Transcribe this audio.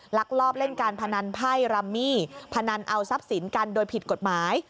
ลักลอบเล่นการพนันไพ่รัมมี่พนันเอาทรัพย์สินกันโดยผิดกฎหมาย